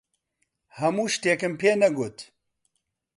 هەموو شتێکم پێ نەگوت.